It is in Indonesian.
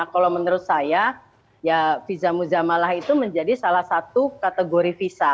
kalau menurut saya ya viza muzamalah itu menjadi salah satu kategori visa